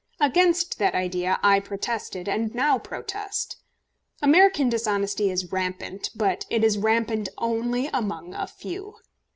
Against that idea I protested, and now protest. American dishonesty is rampant; but it is rampant only among a few.